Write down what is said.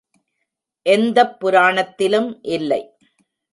எந்தப் புராணத்திலும் இல்லை.